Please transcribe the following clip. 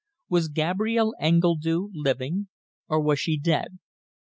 Was Gabrielle Engledue living or was she dead?